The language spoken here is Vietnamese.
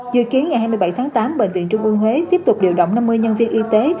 dự kiến ngày hai mươi bảy tháng tám bệnh viện trung ương huế tiếp tục điều động năm mươi nhân viên y tế